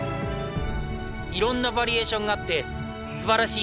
いろんなバリエーションがあってすばらしい景色